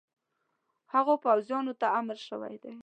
هغو پوځیانو ته امر شوی دی.